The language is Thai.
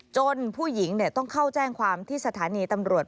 ผู้หญิงต้องเข้าแจ้งความที่สถานีตำรวจ